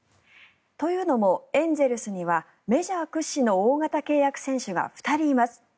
というのも、エンゼルスにはメジャー屈指の大型契約選手が２人います。